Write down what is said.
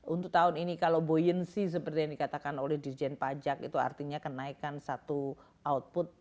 untuk tahun ini kalau boyensi seperti yang dikatakan oleh dirjen pajak itu artinya kenaikan satu output